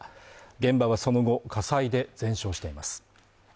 現場はその後火災で全焼しています